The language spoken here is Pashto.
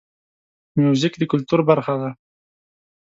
موزیک د کلتور برخه ده.